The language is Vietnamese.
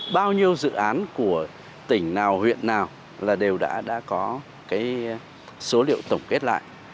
bao nhiêu dự án của tỉnh nào huyện nào là đều đã có cái số liệu tổng kết lại